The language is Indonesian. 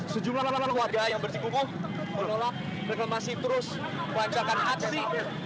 sejumlah warga yang bersikukuh menolak reklamasi terus melancarkan aksi